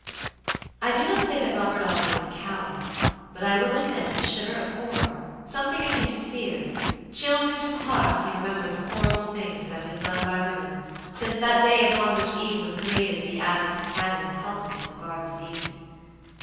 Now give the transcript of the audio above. I do not say that Robert Audley was a coward, but I will admit that a shiver of horror, something akin to fear, chilled him to the heart as he remembered the horrible things that have been done by women since that day upon which Eve was created to be Adam's companion and help meet in the garden of Eden.